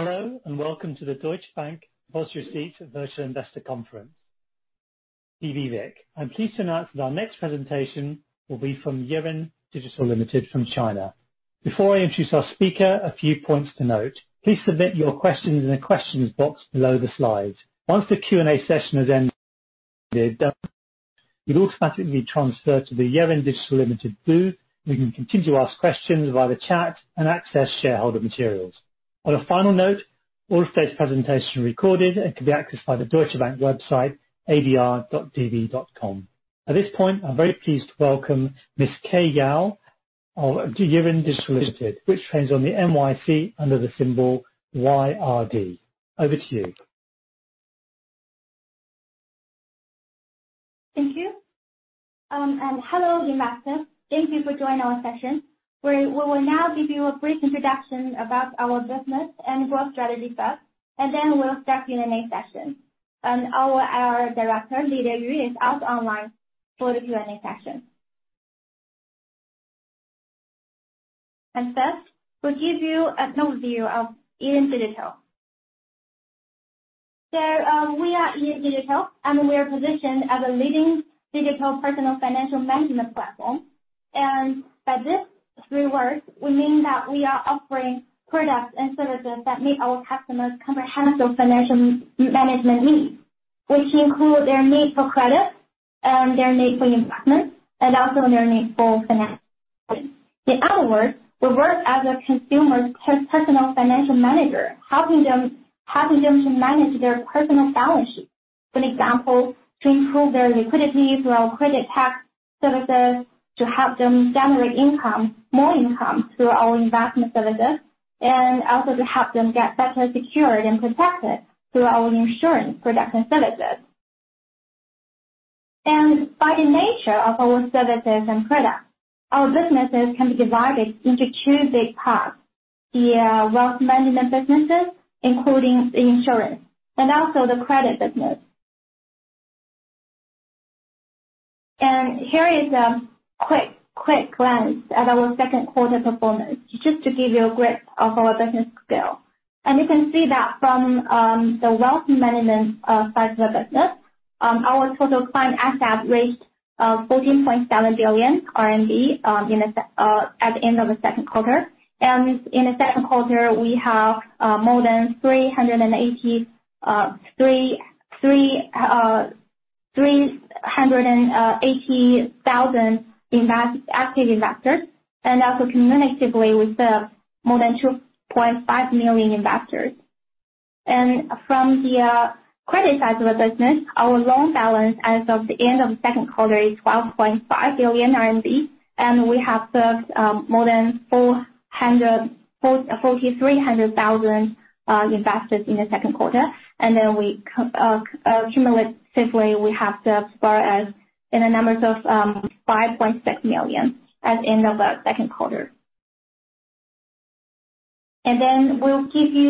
Hello, and welcome to the Deutsche Bank American Depositary Receipts Virtual Investor Conference, DBVIC. I'm pleased to announce that our next presentation will be from Yiren Digital Ltd. from China. Before I introduce our speaker, a few points to note. Please submit your questions in the questions box below the slide. Once the Q&A session has ended, you'll automatically transfer to the Yiren Digital Ltd. booth, where you can continue to ask questions via the chat and access shareholder materials. On a final note, all of today's presentation is recorded and can be accessed by the Deutsche Bank website, adr.db.com. At this point, I'm very pleased to welcome Ms. Keyao He of Yiren Digital Ltd., which trades on the NYSE under the symbol YRD. Over to you. Thank you. Hello, investors. Thank you for joining our session. We will now give you a brief introduction about our business and growth strategy first, and then we'll start Q&A session. Our IR Director, Keyao He, is also online for the Q&A session. First, we'll give you an overview of Yiren Digital. We are Yiren Digital, and we are positioned as a leading digital personal financial management platform. By this three words, we mean that we are offering products and services that meet our customers' comprehensive financial management needs, which include their need for credit, their need for investment and also their need for finance. In other words, we work as a consumer's personal financial manager, helping them to manage their personal balance sheet. For example, to improve their liquidity through our credit tech services, to help them generate income, more income through our investment services, and also to help them get better secured and protected through our insurance product and services. By the nature of our services and products, our businesses can be divided into two big parts, the wealth management businesses, including the insurance and also the credit business. Here is a quick glance at our Q2 performance, just to give you a grip of our business scale. You can see that from the wealth management side of the business, our total client asset reached 14.7 billion RMB at the end of the Q2. In the Q2, we have more than 380,000 active investors and cumulatively we serve more than 2.5 million investors. From the credit side of the business, our loan balance as of the end of the Q2 is 12.5 billion RMB, and we have served more than 443,000 investors in the Q2. Cumulatively, we have served 5.6 million investors at the end of the Q2.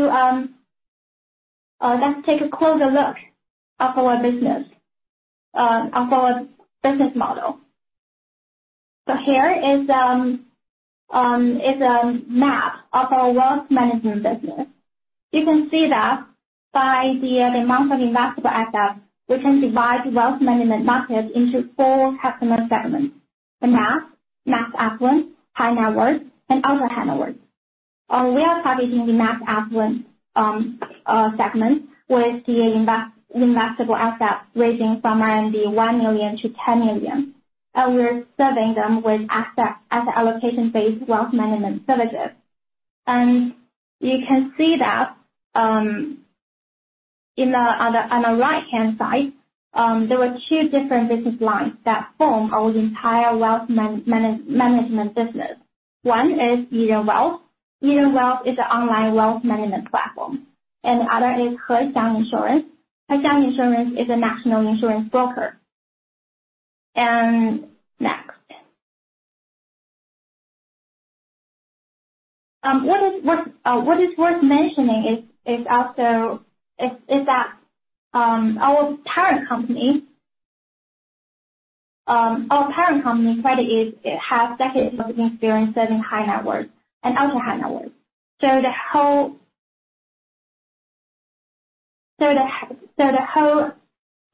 Let's take a closer look at our business model. Here is a map of our wealth management business. You can see that by the amount of investable assets, we can divide wealth management market into four customer segments, the mass affluent, high-net-worth, and ultra-high-net-worth. We are targeting the mass affluent segment with the investable assets ranging from 1 million-10 million, and we are serving them with asset allocation-based wealth management services. You can see that on the right-hand side, there were two different business lines that form our entire wealth management business. One is Yiren Wealth. Yiren Wealth is an online wealth management platform. The other is Hexiang Insurance. Hexiang Insurance is a national insurance broker. Next. What is worth mentioning is also that our parent company CreditEase, it has decades of experience serving high-net-worth and ultra-high-net-worth. The whole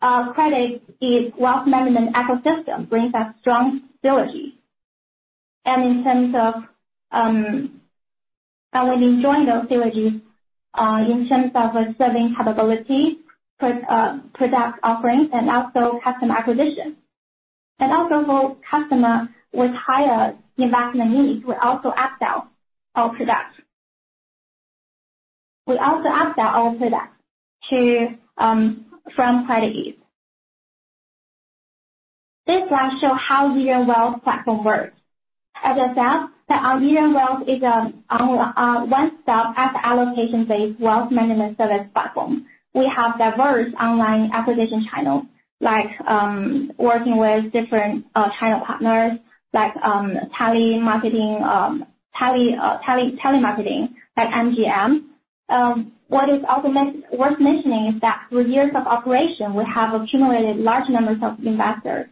CreditEase wealth management ecosystem brings us strong synergies. In terms of, we're enjoying those synergies in terms of our serving capability, product offerings, and also customer acquisition. For customer with higher investment needs, we also upsell our products. We also upsell our products to from CreditEase. This slide shows how Yiren Wealth platform works. As I said, that Yiren Wealth is one stop at the allocation-based wealth management service platform. We have diverse online acquisition channels, like, working with different channel partners, like, telemarketing like MGM. What is also worth mentioning is that through years of operation, we have accumulated large numbers of investors.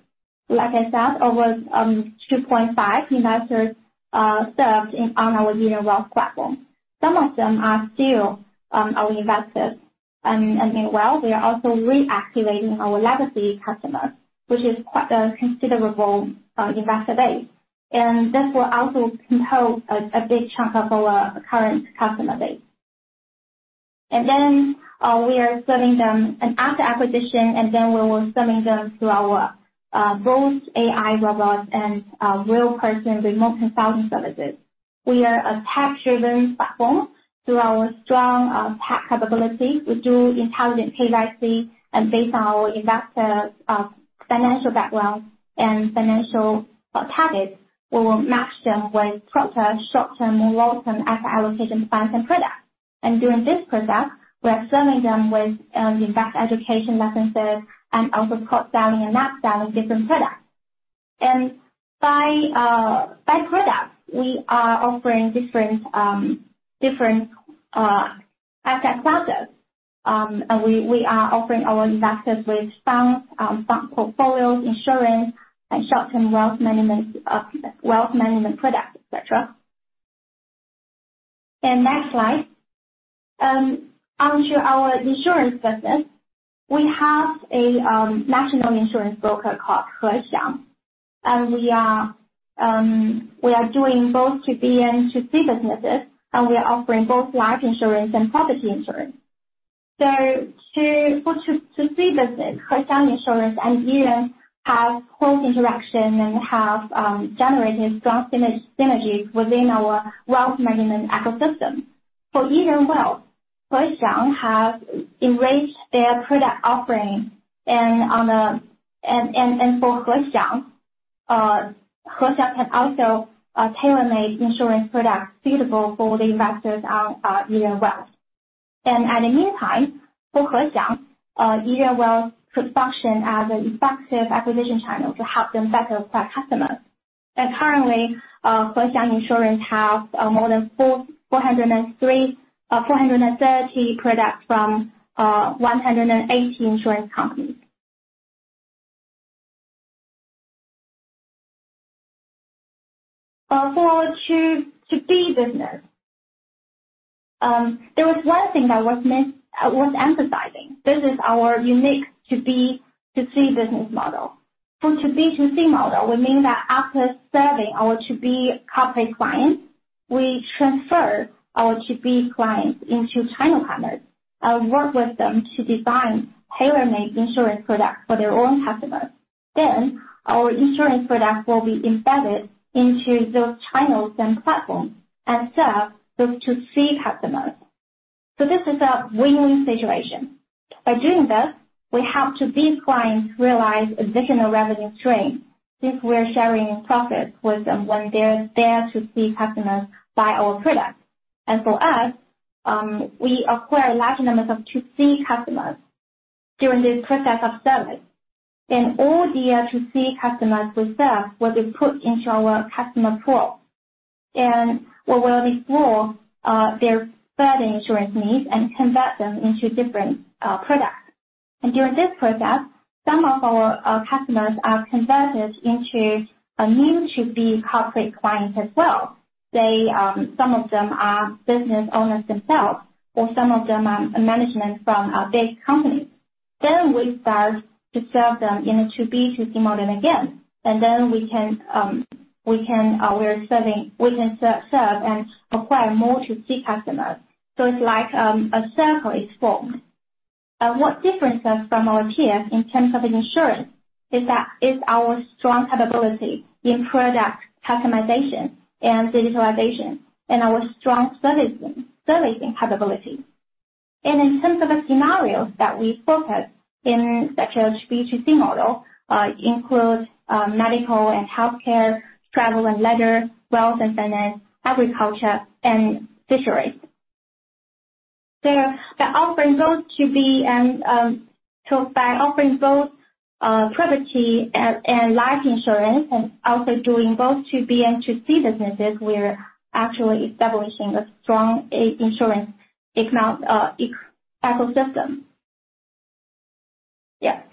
Like I said, over 2.5 investors served on our Yiren Wealth platform. Some of them are still our investors. Meanwhile, we are also reactivating our legacy customers, which is quite a considerable investor base. This will also compose a big chunk of our current customer base. Then we are serving them after acquisition, and then we will serving them through our both AI robot and real person remote consulting services. We are a tech-driven platform through our strong tech capabilities. We do intelligent advisory and based on our investors, financial background and financial targets, we will match them with proper short-term or long-term asset allocation plans and products. During this process, we are serving them with investor education lessons and also cross-selling and upselling different products. By products, we are offering different asset classes. We are offering our investors with funds, fund portfolios, insurance, and short-term wealth management products, et cetera. Next slide. Onto our insurance business. We have a national insurance broker called Hexiang. We are doing both to B and to C businesses, and we are offering both life insurance and property insurance. For 2C business, Hexiang Insurance and Yiren Wealth have close interaction and have generated strong synergy within our wealth management ecosystem. For Yiren Wealth, Hexiang has enriched their product offering. For Hexiang can also tailor-made insurance products suitable for the investors on Yiren Wealth. In the meantime, for Hexiang, Yiren Wealth could function as an effective acquisition channel to help them better acquire customers. Currently, Hexiang Insurance has more than 430 products from 180 insurance companies. For our 2B business, there was one thing I was emphasizing. This is our unique 2B, 2C business model. For the B2B, B2C model, we mean that after serving our B2B corporate clients, we transfer our B2B clients into channel partners, work with them to design tailor-made insurance products for their own customers. Then our insurance products will be embedded into those channels and platforms and serve those B2C customers. This is a win-win situation. By doing this, we help B2B clients realize additional revenue stream if we're sharing profits with them when their B2C customers buy our products. For us, we acquire large numbers of B2C customers during this process of service. All the B2C customers we serve will be put into our customer pool, and we will explore their further insurance needs and convert them into different products. During this process, some of our customers are converted into a new to B corporate client as well. They, some of them are business owners themselves, or some of them are management from a big company. We start to sell them in a to B, to C model again. We can serve and acquire more to C customers. It's like a circle is formed. What differentiates us from our peers in terms of insurance is that it's our strong capability in product customization and digitalization and our strong servicing capability. In terms of the scenarios that we focus on in such a B to C model, include medical and healthcare, travel and leisure, wealth and finance, agriculture, and fisheries. By offering both to B and By offering both property and life insurance and also doing both B2B and B2C businesses, we are actually establishing a strong insurance ecosystem.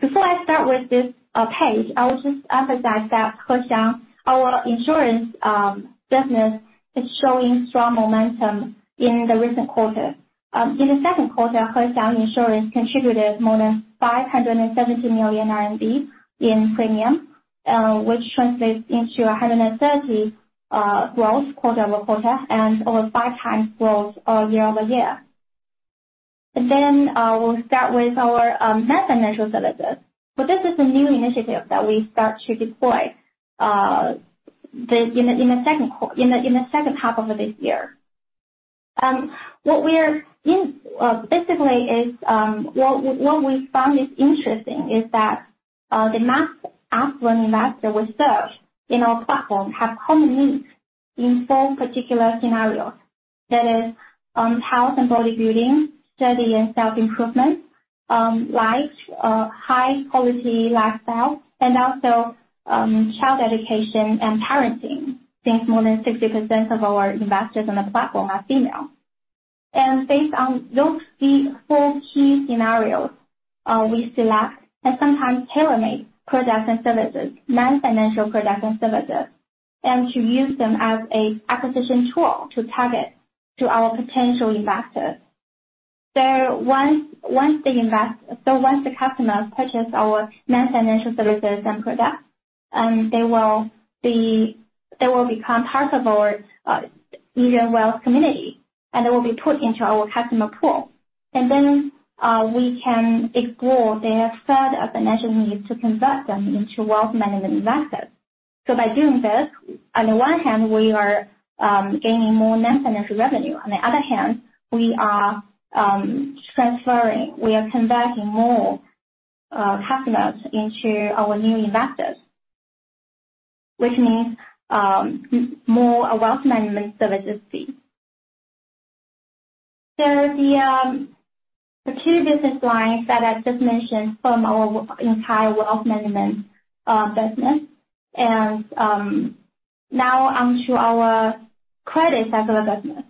Before I start with this page, I would just emphasize that Hexiang, our insurance business, is showing strong momentum in the recent quarter. In the second quarter, Hexiang Insurance contributed more than 570 million RMB in premium, which translates into 130% growth quarter-over-quarter and over 5x growth year-over-year. We'll start with our non-financial services. This is a new initiative that we start to deploy in the second half of this year. What we found is interesting is that the mass affluent investor we served in our platform have common needs in four particular scenarios. That is, health and bodybuilding, study and self-improvement, life, high quality lifestyle, and also, child education and parenting, since more than 60% of our investors on the platform are female. Based on those three, four key scenarios, we select and sometimes tailor-make products and services, non-financial products and services, and to use them as a acquisition tool to target to our potential investors. Once the customers purchase our non-financial services and products, they will become part of our Yiren Wealth community, and they will be put into our customer pool. We can explore their third financial needs to convert them into wealth management investors. By doing this, on the one hand, we are gaining more non-financial revenue. On the other hand, we are converting more customers into our new investors, which means more wealth management services fee. The two business lines that I just mentioned from our entire wealth management business and now onto our credit sector business.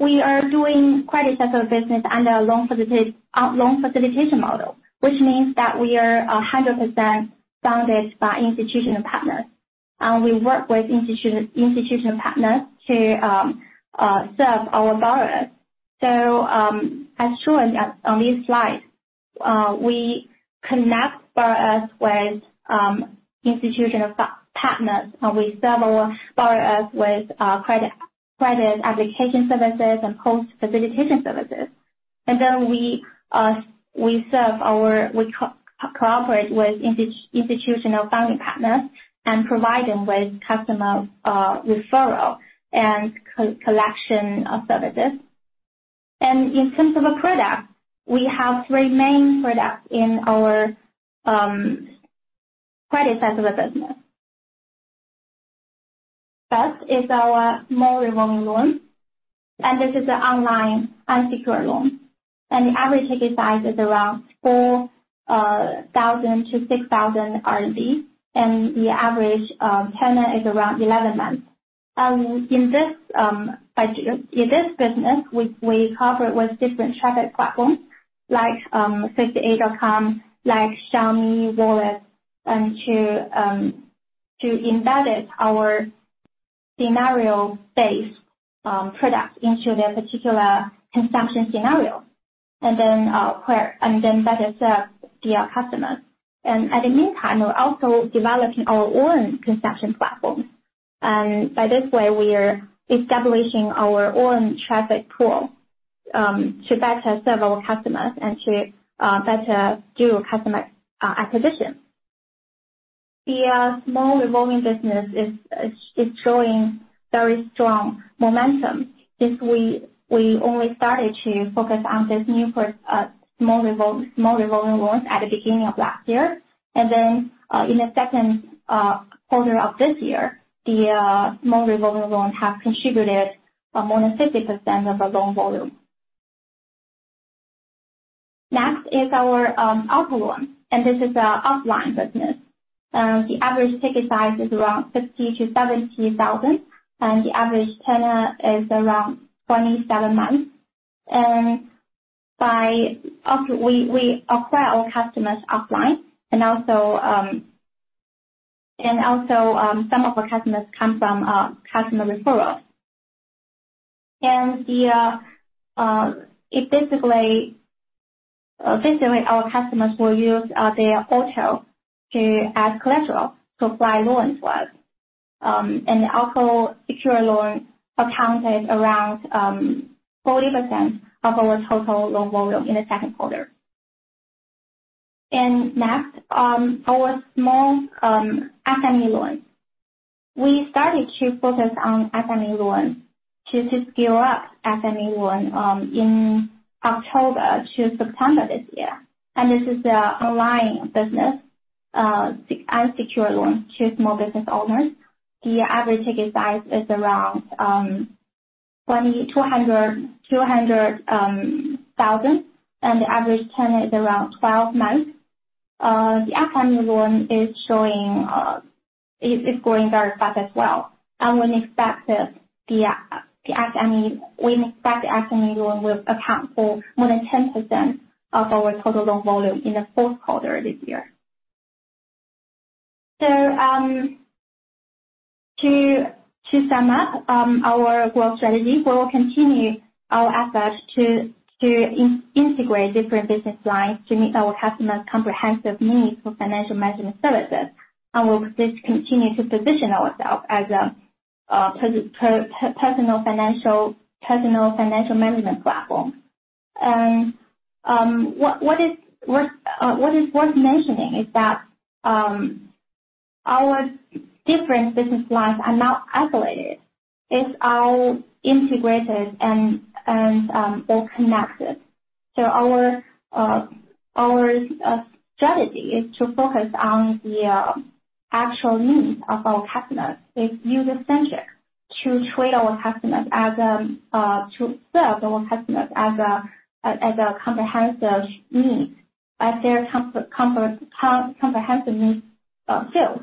We are doing credit sector business under a loan facilitation model, which means that we are 100% funded by institutional partners. We work with institutional partners to serve our borrowers. As shown on this slide, we connect borrowers with institutional partners, and we serve our borrowers with credit application services and post-facilitation services. We cooperate with institutional funding partners and provide them with customer referral and co-collection services. In terms of a product, we have three main products in our credit side of the business. First is our small revolving loan, and this is an online unsecured loan. The average ticket size is around 4,000-6,000 RMB, and the average tenure is around 11 months. In this segment, in this business, we cooperate with different traffic platforms like 58.com, like Xiaomi Wallet, and to embed our scenario-based product into their particular consumption scenario. To better serve the customers. In the meantime, we're also developing our own consumption platform. In this way, we are establishing our own traffic pool to better serve our customers and to better do customer acquisition. The small revolving business is showing very strong momentum since we only started to focus on small revolving loans at the beginning of last year. In the second quarter of this year, the small revolving loans have contributed more than 50% of our loan volume. Next is our auto loan, and this is our offline business. The average ticket size is around 50,000-70,000, and the average tenure is around 27 months. By auto we acquire our customers offline and also some of our customers come from customer referral. It basically all customers will use their auto as collateral to apply loans with. The auto secured loan accounted for around 40% of our total loan volume in the second quarter. Our small SME loans. We started to focus on SME loans to scale up SME loan in October to September this year. This is the online business, unsecured loan to small business owners. The average ticket size is around 200,000, and the average tenure is around 12 months. The SME loan is showing it is growing very fast as well. We expect the SME loan will account for more than 10% of our total loan volume in the fourth quarter this year. To sum up our growth strategy, we will continue our efforts to integrate different business lines to meet our customers' comprehensive needs for financial management services. We'll just continue to position ourselves as a personal financial management platform. What is worth mentioning is that our different business lines are not isolated. It's all integrated and they're connected. Our strategy is to focus on the actual needs of our customers with user-centric. To serve our customers' comprehensive needs fully.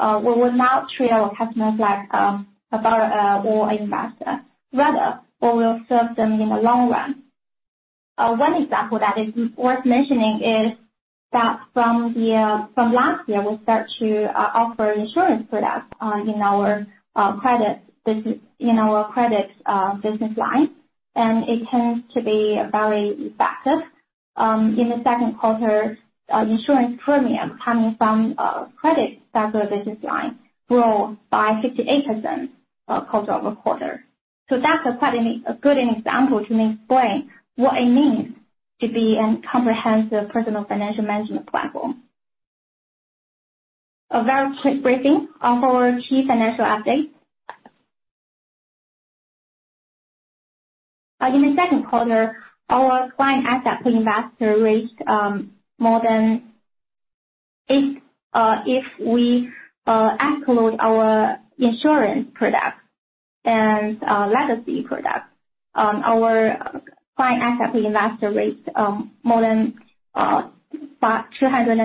We will not treat our customers like a borrower or investor. Rather, we will serve them in the long run. One example that is worth mentioning is that from last year, we start to offer insurance products in our credit business line, and it tends to be very effective. In the second quarter, insurance premium coming from credit side of the business line grew by 58%, quarter-over-quarter. That's quite a good example to explain what it means to be a comprehensive personal financial management platform. A very quick briefing of our key financial updates. In the second quarter, our client asset investor reached more than eight... If we exclude our insurance products and legacy products, our client asset investors reached more than 542,000.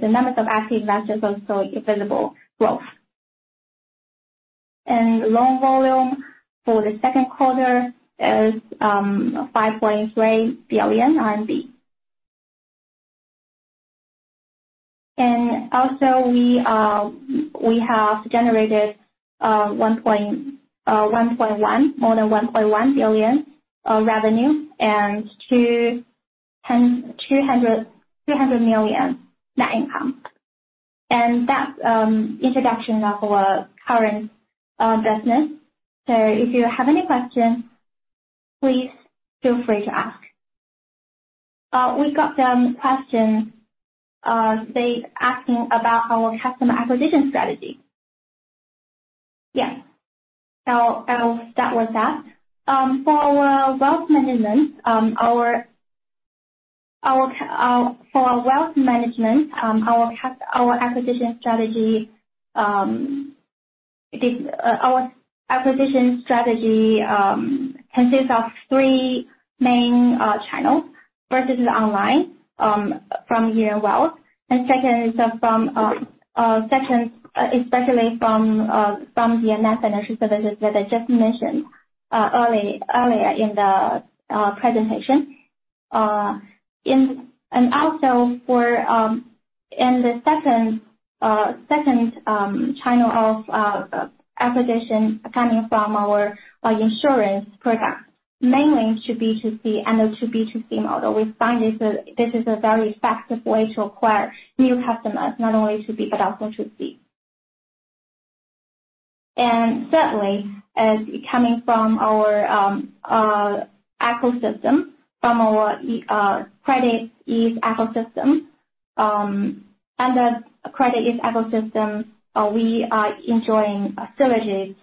The number of active investors also visible growth. Loan volume for the second quarter is 5.3 billion RMB. We have generated more than 1.1 billion of revenue and 200 million net income. That's an introduction of our current business. If you have any questions, please feel free to ask. We got some questions, they are asking about our customer acquisition strategy. Yeah. I'll start with that. For our wealth management, our acquisition strategy consists of three main channels. First is online from Yiren Wealth. Second is especially from the embedded financial services that I just mentioned earlier in the presentation. Also, in the second channel of acquisition coming from our insurance products, mainly B2B2C and the B2B2C model. We find this is a very effective way to acquire new customers, not only B2B, but also B2C. Certainly as coming from our ecosystem, from our CreditEase ecosystem. Under CreditEase ecosystem, we are enjoying synergies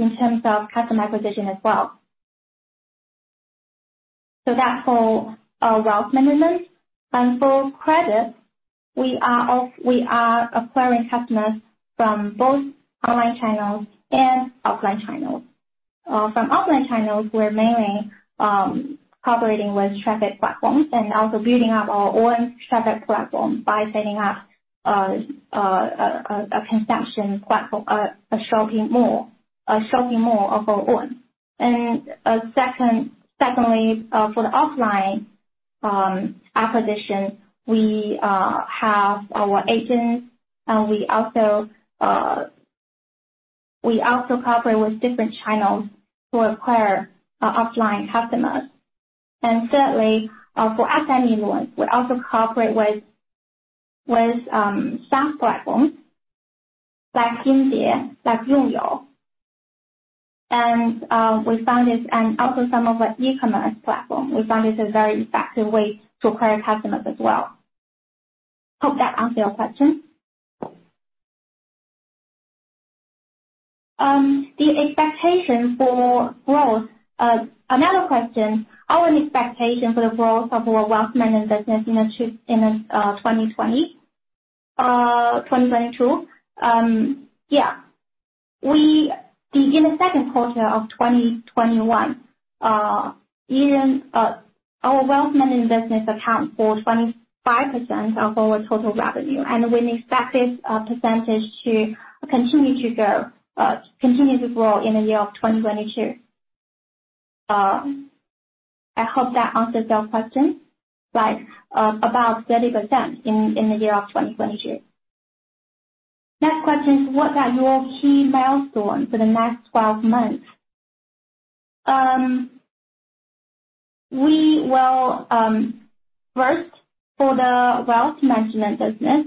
in terms of customer acquisition as well. That's all wealth management. For credit, we are acquiring customers from both online channels and offline channels. From offline channels, we're mainly cooperating with traffic platforms and also building up our own traffic platform by setting up a consumption platform, a shopping mall of our own. Secondly, for the offline acquisition, we have our agents and we also cooperate with different channels to acquire our offline customers. Certainly, for SME loans, we also cooperate with some platforms like Kingdee, like Yonyou, and also some of the e-commerce platform. We found this a very effective way to acquire customers as well. Hope that answered your question. The expectation for growth. Another question. Our expectation for the growth of our wealth management business in 2022. In the Q2 of 2021, our wealth management business account for 25% of our total revenue. We expect this percentage to continue to grow in the year of 2022. I hope that answers your question. About 30% in the year of 2022. Next question is what are your key milestones for the next 12 months? First, for the wealth management business,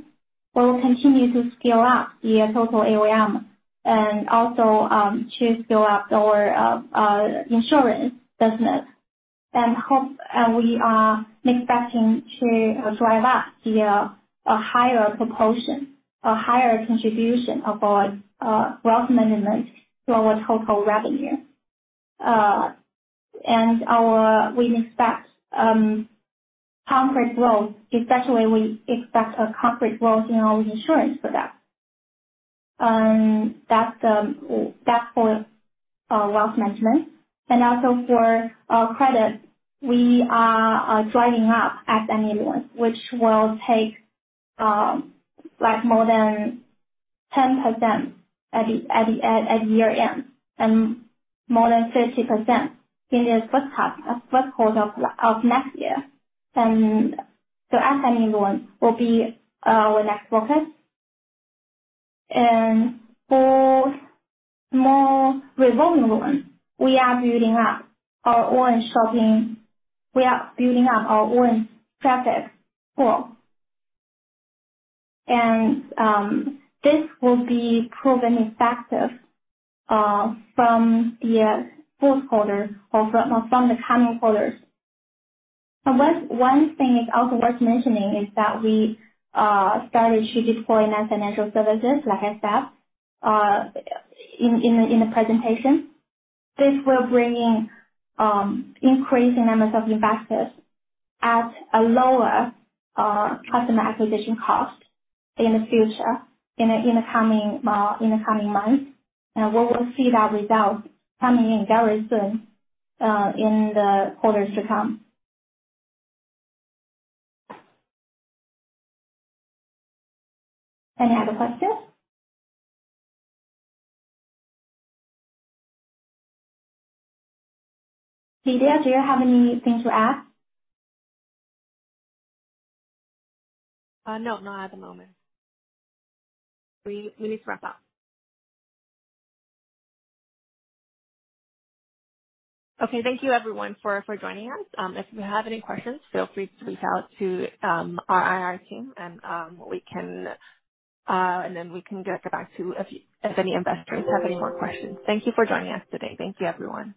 we will continue to scale up via total AUM and also to scale up our insurance business. We are expecting to drive up via a higher proportion, a higher contribution of our wealth management to our total revenue. We expect concrete growth, especially we expect a concrete growth in our insurance product. That's for wealth management. For credit, we are driving up SME loan, which will take like more than 10% at year-end, and more than 50% in the first quarter of next year. SME loan will be our next focus. For more revolving loans, we are building up our orange shopping. We are building up our orange traffic flow. This will be proven effective from the fourth quarter or from the coming quarters. One thing is also worth mentioning is that we started to deploy in our financial services, like I said, in the presentation. This will bring in increasing numbers of investors at a lower customer acquisition cost in the future, in the coming months. We will see that result coming in very soon in the quarters to come. Any other questions? Cynthia, do you have anything to add? No, not at the moment. We need to wrap up. Okay, thank you everyone for joining us. If you have any questions, feel free to reach out to our IR team and then we can get back to you if any investors have any more questions. Thank you for joining us today. Thank you everyone.